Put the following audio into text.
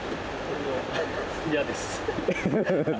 嫌です。